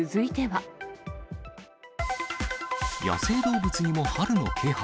野生動物にも春の気配。